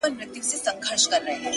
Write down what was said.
یو ډارونکی، ورانونکی شی خو هم نه دی،